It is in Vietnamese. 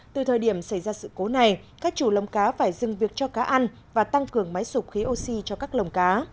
từ thời điểm xảy ra sự cố này các chủ lồng cá phải dừng việc cho cá ăn và tăng cường máy sụp khí oxy cho các lồng cá